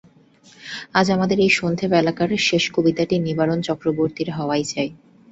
আজ আমাদের এই সন্ধেবেলাকার শেষ কবিতাটি নিবারণ চক্রবর্তীর হওয়াই চাই।